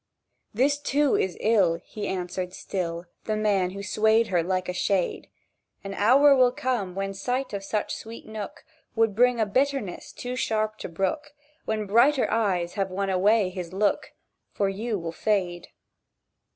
"This, too, is ill," He answered still, The man who swayed her like a shade. "An hour will come when sight of such sweet nook Would bring a bitterness too sharp to brook, When brighter eyes have won away his look; For you will fade."